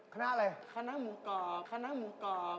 คณะอะไรคณะหมูกรอบคณะหมูกรอบ